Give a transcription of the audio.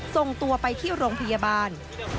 ส่งตัวไปที่โรงพยาบาล